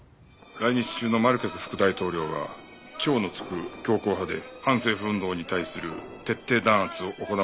来日中のマルケス副大統領は超のつく強硬派で反政府運動に対する徹底弾圧を行うと宣言している。